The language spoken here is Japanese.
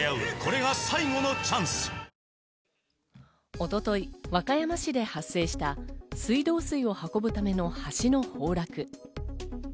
一昨日、和歌山市で発生した水道水を運ぶための橋の崩落。